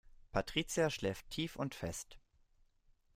Patricia schläft tief und fest.